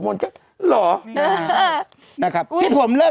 ไม่อ่านนักไง